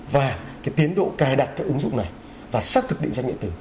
và cái tiến độ cài đặt các ứng dụng này và xác thực định ra nghĩa tử